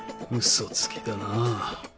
嘘つきだな。